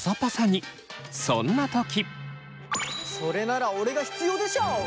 それなら俺が必要でしょ。